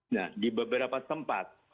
nah di beberapa tempat